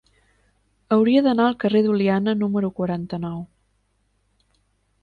Hauria d'anar al carrer d'Oliana número quaranta-nou.